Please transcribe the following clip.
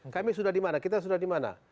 kami sudah dimana kita sudah dimana